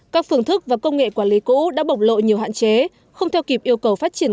các phương thức và công nghệ quản lý cũ đã bộc lộ nhiều hạn chế không theo kịp yêu cầu phát triển